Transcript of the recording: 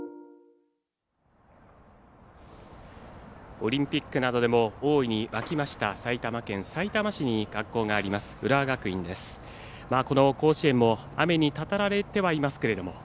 オリンピックなどでも大いに沸きました埼玉県さいたま市に学校があります